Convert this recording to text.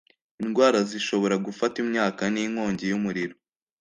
indwara zishobora gufata imyaka n’inkongi y’umuriro